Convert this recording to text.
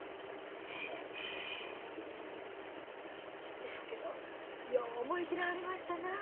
そやけどよう思い切らはりましたなあ。